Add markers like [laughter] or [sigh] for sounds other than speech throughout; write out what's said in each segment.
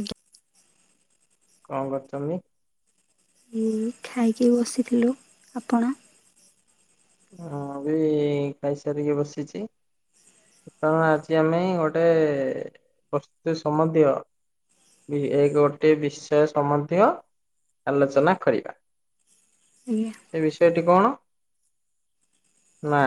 ଆଜ୍ଞା। କଣ କରୁଛବେ? ଖାଇକି ବସିଥିଲୁ ଆପଣ? କହଁ ବି ଖାଇସାରିକି ବସିଛି କାରଣ ଆଜି ଆମେ ଗୋଟେ ପ୍ରସ୍ତୁତି ସମ୍ବନ୍ଧୀୟ। ଏ ଗୋଟେ ବିଷୟ ସମ୍ବନ୍ଧୀୟ ଆଲୋଚନା କରିବା। ଆଜ୍ଞା ସେ ବିଷୟଟି କଣ? ନା।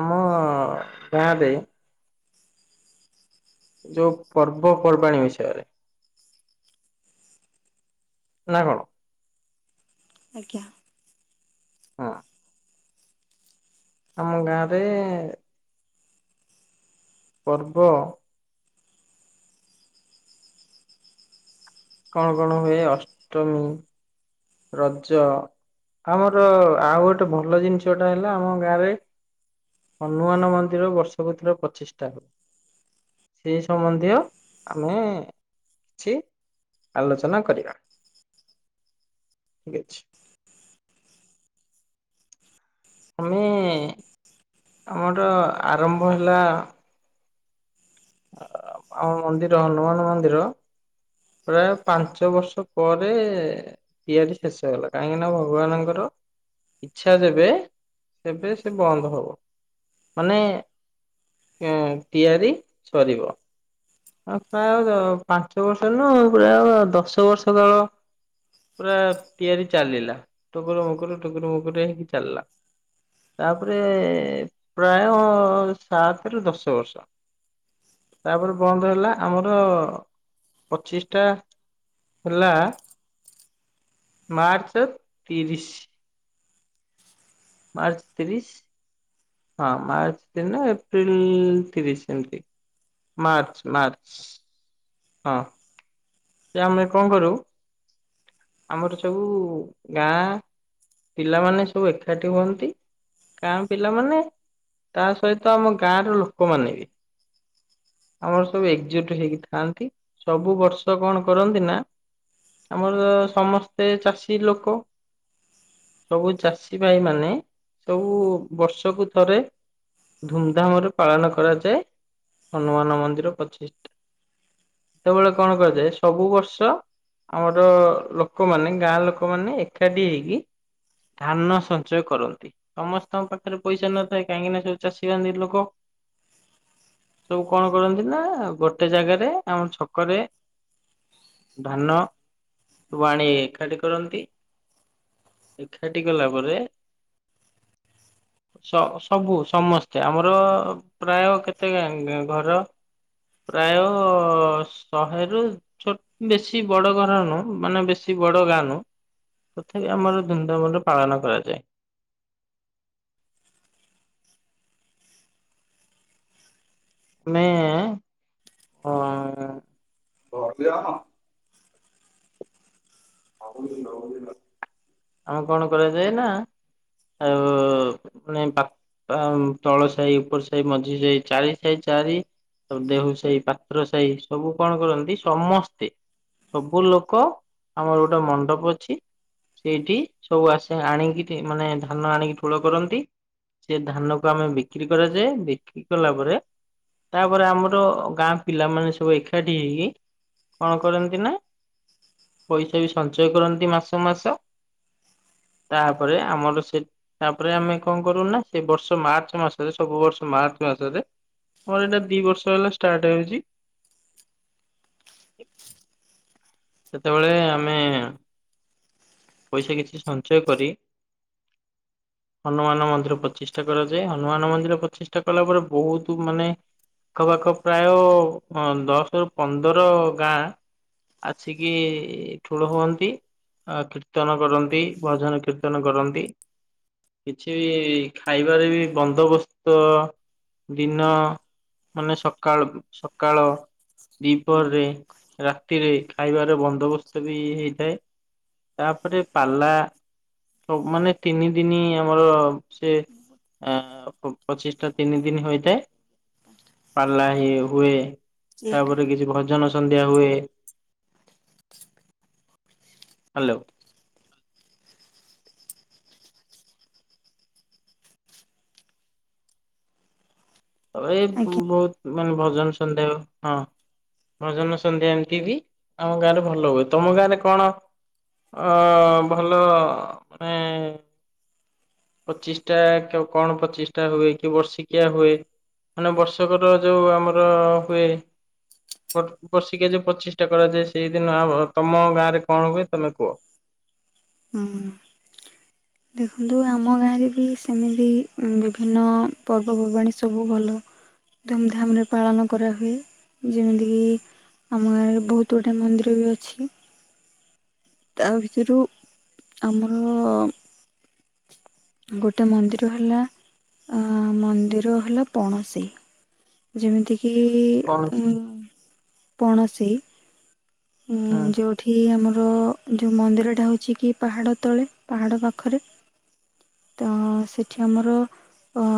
ଆମ ଗାଁରେ ଯୋଉ ପର୍ବପର୍ବାଣି ବିଷୟରେ ନା କଣ? ଆଜ୍ଞା। ହଁ। ଆମ ଆଡ଼େ ପର୍ବ କଣ କଣ ହୁଏ ଅଷ୍ଟମୀ। ରଜ ଆମର ଆଉ ଗୋଟେ ଭଲ ଜିନିଷଟା ହେଲା ଆମ ଗାଁରେ। ହନୁମାନ ମନ୍ଦିର ବର୍ଷକୁ ଥରି ପଚିଷ୍ଠା। ସେଇ ସମ୍ବନ୍ଧୀୟ ଆମେ କିଛି ଆଲୋଚନା କରିବା। ଠିକ୍ ଅଛି। ଆମେ ହଁ ଆମର ଆରମ୍ଭ ହେଲା। ଆମ ମନ୍ଦିର ହନୁମାନ ମନ୍ଦିର। ପ୍ରାୟ ପାଞ୍ଚ ବର୍ଷ ପରେ ତିଆରି ଶେଷ ହେଲା କାହିଁକି ନା ଭଗବାନଙ୍କର ଇଚ୍ଛା ଦେବେ ସେବେ ସେ ବନ୍ଦ ହବ ମାନେ ତିଆରି ସରିବ ଆ ପ୍ରାୟ ପାଞ୍ଚ ବର୍ଷ ନ ପୁରା ଦଶ ବର୍ଷ ତଲେ ପୁରା ତିଆରି ଚାଲିଲା ଟକୁର ମକୁର ଟକୁର ମକୁୀ ହେଇକି ଚାଲିଲା। ତାପରେ ପ୍ରାୟ ସାତ ରୁ ଦଶ ବର୍ଷ ତାପରେ ବନ୍ଦ ହେଲା ଆମର ପଚିଶଟା ହେଲା। ମାର୍ଚ୍ଚ ତିରିଶ। ମାର୍ଚ୍ଚ ତିରିଶ। ହଁ ମାର୍ଚ୍ଚ ଦିନ ଏପ୍ରିଲ ତିରିଶ ଏମିତି ମାର୍ଚ୍ଚ ମାର୍ଚ୍ଚ। ହଁ ଯେ ଆମେ କଣ କରୁ ଆମର ସବୁ ଗାଁ ପିଲାମାନେ ସବୁ ଏକାଠି ହୁଅନ୍ତି କାଁ ପିଲାମାନେ। ତା ସହିତ ଆମ ଗାଁ ର ଲୋକମାନେ ବି। ଆମର ସବୁ ଏକଜୁଟ ହେଇକିଥାନ୍ତି ସବୁ ବର୍ଷ ତ କଣ କରନ୍ତି ନା ଆମର ସମସ୍ତେ ଚାଷୀ ଲୋକ। ସବୁ ଚାଷୀ ଭାଇ ମାନେ ସବୁ ବର୍ଷକୁ ଥରେ ଧୁମଧାମରେ ପାଳନ କରାଯାଏ। ହନୁମାନ ମନ୍ଦିର ପଚିଶଟା ସେତେବେଳେ କଣ କରାଯାଏ, ସବୁ ବର୍ଷ ଆମର ଲୋକମାନେ ଗାଁ ଲୋକମାନେ ଏକାଠି ହେଇକି ଧାନ ସଞ୍ଚୟ କରନ୍ତି। ସମସ୍ତଙ୍କ ପାଖରେ ପଇସା ନଥାଏ, କାହିଁକି ନା ସବୁ ଚାଷୀ ବାନ୍ଧି ଲୋକ। ସବୁ କଣ କରନ୍ତି ନା ଗୋଟେ ଜାଗାରେ ଆମ ଛକରେ ଧାନ କୁ ଆଣି ଏକାଠି କରନ୍ତି। ଏକାଠି କଲା ପରେ [unintelligible] ସ ସବୁ ସମସ୍ତେ ଆମର ପ୍ରାୟ କେତେ ଗା ଗା ଘର। ପ୍ରାୟ ଶହେ ରୁ ଛୋ ବେଶୀ ବଡ ଘର ନୁହଁ, ମାନେ ବେଶୀ ବଡ ଗାଁ ନୁହଁ। ତଥାପି ଆମର ଧୁମଧାମରେ ପାଳନ କରାଯାଏ। ମେ [inaudible] ଆମ କଣ କରାଯାଏ ନା ଆଉ ମାନେ ବା ଆ ମ ତଳ ସାହି, ଉପର ସାହି, ମଝି ସାହି, ଚାରି ସାହି ଚାରି ଦେହୁରୀ ସାହି, ପାତ୍ର ସାହି, ସବୁ କଣ କରନ୍ତି, ସମସ୍ତେ ସବୁ ଲୋକ ଆମର ଗୋଟେ ମଣ୍ଡପ ଅଛି। ସେଇଠି ସବୁ ଆସେ ଆଣିକି ରି ମାନେ ଧାନ ଆଣିକି ଠୁଳ କରନ୍ତି। ସେ ଧାନ କୁ ଆମେ ବିକ୍ରି କରାଯାଏ ବିକ୍ରି କଲା ପରେ ତା ପରେ ଆମର ଗାଁ ପିଲାମାନେ ସବୁ ଏକାଠି ହେଇକି କଣ କରନ୍ତି ନା ପଇସା ବି ସଞ୍ଚୟ କରନ୍ତି ମାସ ମାସ। ତାପରେ ଆମର ସେ ତା ପରେ ଆମେ କଣ କରୁନା ସେ ବର୍ଷ ମାର୍ଚ୍ଚ ମାସରେ ସବୁ ବର୍ଷ ମାର୍ଚ୍ଚ ମାସରେ ମୋର ଏଇଟା ଦି ବର୍ଷ ହେଲା ଷ୍ଟାର୍ଟ ହେଉଛି। ସେତେବେଳେ ଆମେ [unintelligible] ପଇସା କିଛି ସଞ୍ଚୟ କରି [inaudible] ହନୁମାନ ମନ୍ଦିର ପଚିଷ୍ଠା କରାଯାଏ। ହନୁମାନ ମନ୍ଦିର ପଚିଷ୍ଠା କଲା ପରେ ବହୁତ ମାନେ ଆଖପାଖ ପ୍ରାୟ ଅ ଦଶ ରୁ ପନ୍ଦର ଗାଁ ଆସିକି କି ଠୁଳ ହୁଅନ୍ତି। ଆ କୀର୍ତ୍ତନ କରନ୍ତି, ଭଜନ କୀର୍ତ୍ତନ କରନ୍ତି। କିଛି ବି ଖାଇବାରେ ବି ବନ୍ଦୋବସ୍ତ ଦିନ ମାନେ ସକାଳ, ସକାଳ ଦିପହରେ, ରାତିରେ। ଖାଇବାର ବନ୍ଦୋବସ୍ତ ବି ହେଇଥାଏ। ତାପରେ ପାଲା ସବୁ ମାନେ ତିନି ଦିନି ଆମର ସେ ଅ ପଚିଷ୍ଟା ତିନି ଦିନ ହୋଇଥାଏ। ପାଲା ବି ହୁଏ। ଯେହେତୁ ତାପରେ କିଛି ଭଜନ ସ ସନ୍ଧ୍ୟା ହୁଏ। ହ୍ୟାଲୋ। ତ ଏ ଆଜ୍ଞା ବହୁତ ମାନେ ଭଜନ ସନ୍ଦେହ ହଁ,। ଭଜନ ସନ୍ଧ୍ୟା ଏମିତି ବି ଆମ ଗାଁ ରେ ଭଲ ହୁଏ। ତମ ଗାଁ ରେ କଣ ଅ ଭଲ ମାନେ ପଚିଶ ଟା, କଣ ପଚିଶ ଟା ହୁଏ କି ବର୍ଷିକିଆ ହୁଏ। ମାନେ ବର୍ଷକର ଯଉ ଆମର ହୁଏ। ବର୍ଷିକିଆ ଯୋଉ ପଚିଷ୍ଟା କରାଯାଏ ସେଇଦିନ ହବ ତମ ଗାଁରେ କଣ ହୁଏ ତମେ କୁହ? ହୁଁ। ଦେଖନ୍ତୁ ଆମ ଗାଁରେ ବି ସେମିତି ବିଭିନ୍ନ ପର୍ବପର୍ବାଣିୀ ସବୁ ଭଲ ଧୁମ୍ ଧାମରେ ପାଳନ କରାହୁଏ ଯେମିତିକି ଆମ ଗାଁରେ ବହୁତ ଗୁଡ଼ିଏ ମନ୍ଦିର ବି ଅଛି। ତା ଭିତରୁ ଆମର ଗୋଟେ ମନ୍ଦିର ହେଲା ଆ ମନ୍ଦିର ହେଲା ପଣସେଇ। ଯେମିତି କିି କଣ ସେ ଉ ପଣସେଇ। ହୁଁ ହଁ ଯୋ ଉଠି ଆମର ଯୋଉ ମନ୍ଦିରଟା ହଉଛି କି ପାହାଡ଼ ତଳେ ପାହାଡ଼ ପାଖରେ। ତ ସେଠି ଆମର ଅ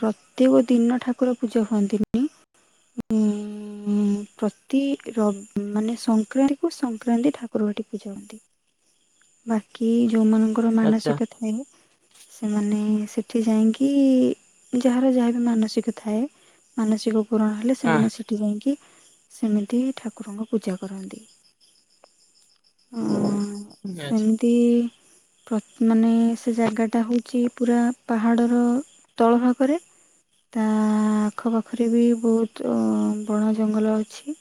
ପ୍ରତ୍ୟେକ ଦିନ ଠାକୁର ପୂଜା ହୁଅନ୍ତିନି। ଉଁ ପ୍ରତି ର ମାନେ ସଙ୍କ୍ ସଂକ୍ରାନ୍ତି କୁ ସଂକ୍ରାନ୍ତି ଠାକୁର ଭାଟି ପୂଜା ହୁଅନ୍ତି ବାକି ଯୋଉମାନ ଙ୍କର ଆଚ୍ଛା ମାନସିକ ଥାଏ ସେମାନେ ସେଠି ଯାଇଙ୍କି ଯାହାର ଯାହାବି ମାନସିକ ଥାଏ ମାନସିକ ପୁରଣ ହେଲେ ସେମାନେ ହଁ ସେଠି ଯାଇକି ସେମିତି ଠାକୁରଙ୍କ ପୂଜା କରନ୍ତି। ହଁ ଆଚ୍ଛା ସେମିତି ପ୍ରତ୍ ମାନେ ସେ ଜାଗାଟା ହଉଛି ପୁରା ପାହାଡ଼ର ତଳ ଭାଗରେ ତା ଆଖପାଖରେ ବି ବହୁତୁ ବଣ ଜଙ୍ଗଲ ଅଛି।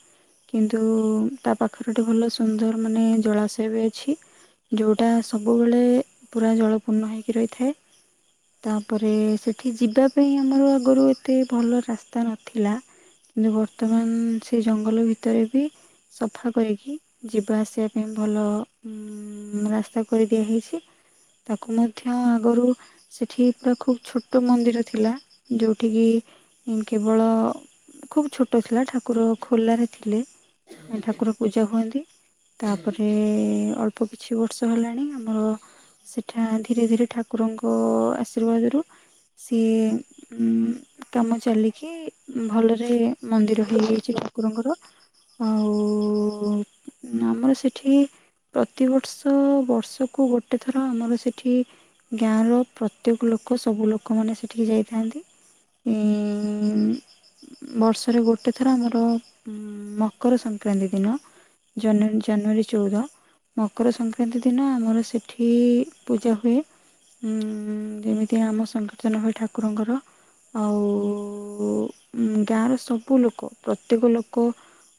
କିନ୍ତୁ ତା ପାଖରେ ଗୋଟେ ଭଲ ସୁନ୍ଦର ମାନେ ଜଳାଶୟ ବି ଅଛି। ଯୋଉଁଟା ସବୁବେଳେ ପୁରା ଜଳପୂର୍ଣ୍ଣ ହୋଇକି ରହିଥାଏ। ତାପରେ ସେଠି ଯିବା ପାଇଁ ଆମର ଆଗରୁ ଏତେ ଭଲ ରାସ୍ତା ନଥିଲା। ବର୍ତ୍ତମାନ ସେ ଜଙ୍ଗଲ ଭିତରେ ବି ସଫା କରିକି ଯିବା ଆସିବା ପାଇଁ ଭଲ ଉଁ ରାସ୍ତା କରିଦିଆହୋଇଛି। ତାକୁ ମଧ୍ୟ ଆଗରୁ ସେଠି ତାକୁ ଖୁବ୍ ଛୋଟ ମନ୍ଦିର ଥିଲା ଯେଉଠିକି କେବଳ ଖୁବ୍ ଛୋଟ ଥିଲା ଠାକୁର ଖୋଲାରେ ଥିଲେ ଠାକୁର ପୂଜା ହୁଅନ୍ତି। ତାପରେ ଅଳ୍ପ କିଛି ବର୍ଷ ହେଲାଣି ଆମର ସେଠା ଧୀରେ ଧୀରେ ଠାକୁରଙ୍କ ଆଶୀର୍ବାଦରୁ ସିଏ ଉଁ କାମ ଚାଲିକି ଭଲରେ ମନ୍ଦିର ହେଇଯାଇଛି ଠାକୁରଙ୍କର ଆଉ ହୁଁ ଆମର ସେଠି ପ୍ରତିବର୍ଷ ବର୍ଷକୁ ଗୋଟେ ଥର ଆମର ସେଠି ଗାଁର ପ୍ରତ୍ୟେକ ଲୋକ ସବୁ ଲୋକମାନେ ସେଠିକି ଯାଇଥାନ୍ତି। ଇଁ। [inaudible] ବର୍ଷରେ ଗୋଟେ ଥର ଆମର ଉଁ ମକର ସଂକ୍ରାନ୍ତି ଦିନ ଜନନ୍ ଜାନୁୟାରୀ ଚଉଦ ମକର ସଂକ୍ରାନ୍ତି ଦିନ ଆମର ସେଠି ପୂଜା ହୁଏ। ଉଁ ଯେମିତି ଆମ ସଂକୀର୍ତ୍ତନ ହୋଇ ଠାକୁରଙ୍କର ଆଉ ଗାଁର ସବୁ ଲୋକ ପ୍ରତ୍ୟେକ ଲୋକ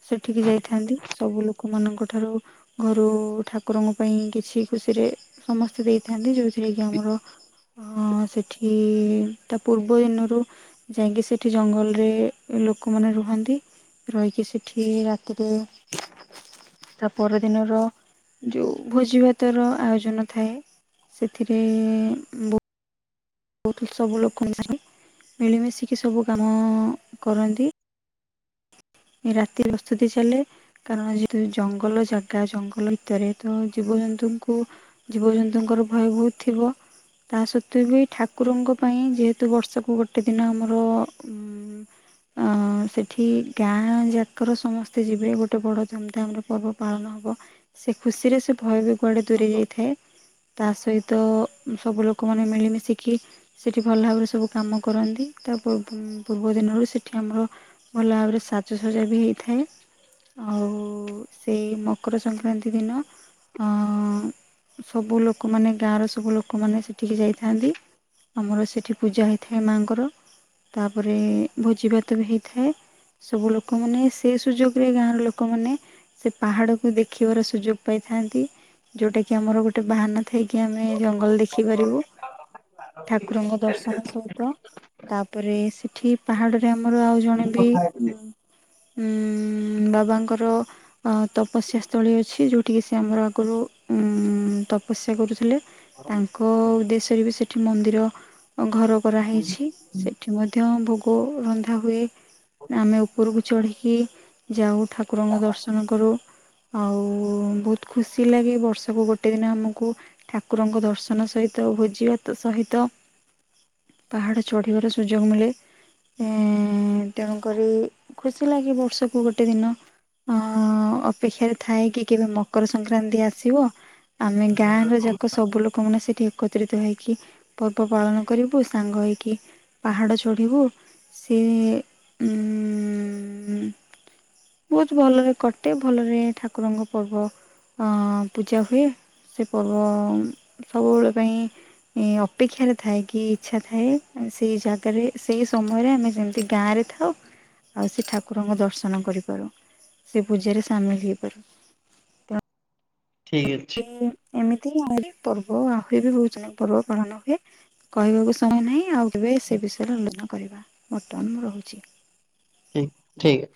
ସେଠିକି ଯାଇଥାନ୍ତି ସବୁ ଲୋକମାନଙ୍କ ଠାରୁ ଘରୁ ଠାକୁରଙ୍କ ପାଇଁ କିଛି ଖୁସିରେ ସମସ୍ତେ ଦେଇଥାନ୍ତି ଯଉ ଢେଇକି ଆମର ଅଁ ସେଠି ତା ପୂର୍ବ ଦିନରୁ ଯାଇକି ସେଠି ଜଙ୍ଗଲରେ ଲୋକମାନେ ରୁହନ୍ତି ରହିକି ସେଠି ରାତିରେ। [inaudible] ତା ପର ଦିନର ଯୋଉ ଭୋଜି ଭାତ ର ଆୟୋଜନ ଥାଏ ସେଥିରେ ବୋ ବହୁତ ସବୁ ଲୋକ ମିସନ୍ତି ମିଳିମିଶିକି ସବୁ କାମ କରନ୍ତି। ରାତି ପ୍ରସ୍ତୁତି ଚାଲେ। କାରଣ ଯେହେତୁ ଜଙ୍ଗଲ ଜାଗା ଜଙ୍ଗଲ ଭିତରେ ତ ଜୀବଜନ୍ତୁଙ୍କୁ ଜୀବଜନ୍ତୁଙ୍କର ଭୟ ବହୁତ ଥିବ। ତା ସତେ ବି ଠାକୁରଙ୍କ ପାଇଁ ଯେହେତୁ ବଷକୁ୍ ଗୋଟେ ଦିନ ଆମର [inaudible] ଅ [inaudible] ସେଠି ଗାଁ ଯାକର ସମସ୍ତେ ଯିବେ ଗୋଟେ ବଡ ଧୁମଧାମରେ ପର୍ବ ପାଳନ ହବ। ସେ ଖୁସିରେ ସେ ଭୟ ବି ଗକୁଆଡ଼େ ଦୂରେଇ ଯାଇଥାଏ। ତା ସହିତ ସବୁ ଲୋକମାନେ ମିଳିମିଶିକି ସେଠି ଭଲ ଭାବରେ ସବୁ କାମ କରନ୍ତି ତା ପୂର୍ବ ଦିନରୁ ସେଠି ଆମର ଭଲ ଭାବରେ ସାଜସଜ୍ଜା ବି ହେଇଥାଏ। ଆଉ ସେଇ ମକର ସଂକ୍ରାନ୍ତି ଦିନ ସବୁ ଲୋକମାନେ ଗାଁର ସବୁ ଲୋକମାନେ ସେଠିକି ଯାଇଥାନ୍ତି। ଆମର ସେଠି ପୂଜା ହେଇଥାଏ ମାଙ୍କର ତାପରେ ଭୋଜିଭାତ ବି ହେଇଥାଏ। ସବୁ ଲୋକମାନେ ସେ ସୁଯୋଗରେ ଗାଁର ଲୋକମାନେ ସେ ପାହାଡକୁ ଦେଖିବାର ସୁଯୋଗ ପାଇଥାନ୍ତି ଯଉଟା କିି ଆମର ଗୋ ଗୋଟେ ବାହାନା ଥାଇକି ଆମେ ଜଙ୍ଗଲ ଦେଖିପାରିବୁ। ଠାକୁରଙ୍କ ଦର୍ଶନ ସହିତ ତାପରେ ସେଠି ପାହାଡ଼ରେ ଆମର ଆଉ ଜଣେ ବି [inaudible] ବାବାଙ୍କର ଅ ତପସ୍ୟା ସ୍ଥଳୀ ଅଛି ଯୋଉଠିକି ସେ ଆମର ଆଗରୁ ଉ ତପସ୍ୟା କରୁଥିଲେ। ତାଙ୍କ ଉଦ୍ଦେଶ୍ୟରେ ବି ସେଠି ମନ୍ଦିର ଘର କରାହୋଇଛି ସେଠି ମଧ୍ୟ ଭୋଗ ରନ୍ଧା ହୁଏ। ଆମେ ଉପରକୁ ଚଢ଼ିକି ଯାଉ ଠାକୁରଙ୍କ ଦର୍ଶନ କରୁ। ଆଉ ବହୁତ ଖୁସି ଲାଗେ ବର୍ଷକୁ ଗୋଟେ ଦିନ ଆମକୁ ଠାକୁରଙ୍କ ଦର୍ଶନ ସହିତ ଭୋଜି ଭାତ ସହିତ ପାହାଡ଼ ଚଢ଼ିବାର ସୁଯୋଗ ମିଳେ ଏଁ ତେଣୁକରି ଖୁସି ଲାଗେ ବର୍ଷକୁ ଗୋଟେ ଦିନ ଅଁ ଅପେକ୍ଷା ରେ ଥାଏ କି କେବେ ମକର ସଂକ୍ରାନ୍ତି ଆସିବ। ଆମେ ଗାଁ ର ଯାକ ସବୁ ଲୋକମାନେ ସେଠି ଏକତ୍ରିତ ହେଇକି ପର୍ବ ପାଳନ କରିବୁ ସାଙ୍ଗ ହେଇକି ପାହାଡ ଚଢିବୁ। ସେ ଉଁ ବହୁତ ଭଲରେ କଟେ ଭଲରେ ଠାକୁରଙ୍କ ପର୍ବ ଅଁ ପୁଜା ହୁଏ ସେ ପର୍ବ ସବୁବେଳେ ପାଇଁ ଅଁ ଅପେକ୍ଷାରେ ଥାଏ କି ଇଚ୍ଛା ଥାଏ ସେହି ଜାଗାରେ ସେହି ସମୟରେ ଆମେ ଯେମିତି ଗାଁରେ ଥାଉ। ଆଉ ଆଉ ସେ ଠାକୁରଙ୍କ ଦର୍ଶନ କରିପାରୁ ସେ ପୂଜାରେ ସାମିଲ ହୋଇପାରୁ। ଠିକ୍ ଅଛି। ଏମିତି ଆହୁ ପର୍ବ ଆହୁଏ ବି ବହୁତ ଜନକ ପର୍ବ ପାଳନ ହୁଏ। କହିବାକୁ ଶମୟ ନାହିଁ ଆଉ କେବେ ସେ ବିଷୟରେ ଆଲୋଚନା କରିବା ବର୍ତ୍ତମାନ ମୁଁ ରହୁଛି। ଠ ଠିକ୍ ଅ